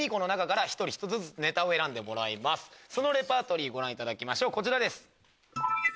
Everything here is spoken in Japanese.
そのレパートリーご覧いただきましょうこちら。